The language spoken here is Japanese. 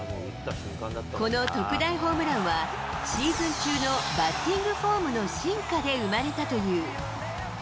この特大ホームランは、シーズン中のバッティングフォームの進化で生まれたという。